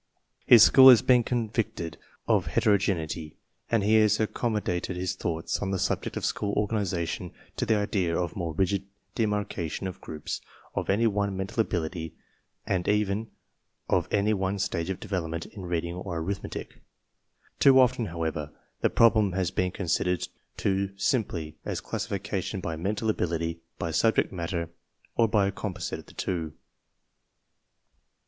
His school has been convicted of hetero geneity, and he has accommodated his thoughts on the subject of school organization to the idea of more rigid demarcation of groups of any one mental ability and even of any one stage of development in reading or arithmetic. Too often, however, the problem has been considered too simply as classification by mental abil ity, by subject matter, or by a composite of the two.